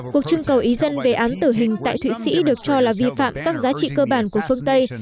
cuộc trưng cầu ý dân về án tử hình tại thụy sĩ được cho là vi phạm các giá trị cơ bản của phương tây